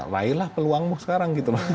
lailah peluangmu sekarang gitu loh